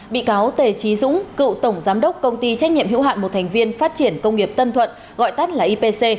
bị cáo tề trí dũng cựu tổng giám đốc công ty trách nhiệm hữu hạn một thành viên phát triển công nghiệp tân thuận gọi tắt là ipc